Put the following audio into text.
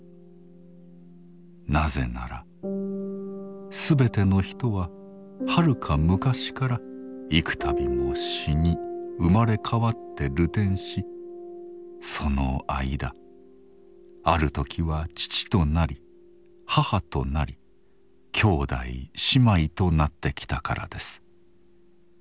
なぜならすべての人ははるか昔から幾たびも死に生まれ変わって流転しその間ある時は父となり母となり兄弟姉妹となってきたからです。